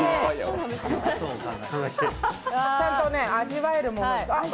ちゃんと味わえるもの。